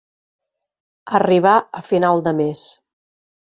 Arribar a final de mes.